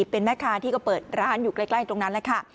เป็นแม่ค้าที่ก็เปิดร้านอยู่ใกล้ตรงนั้นแหละค่ะ